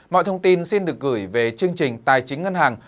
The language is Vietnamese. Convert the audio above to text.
mọi thông tin xin được gửi về chương trình tài chính ngân hàng